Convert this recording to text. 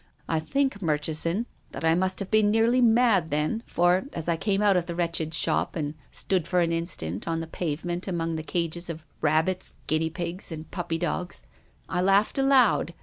I think, Murchison, that I 330 TONGUES OF CONSCIENCE. must have been nearly mad then, for, as I came out of the wretched shop, and stood for an in stant on the pavement among the cages of rab bits, guinea pigs, and puppy dogs, I laughed aloud.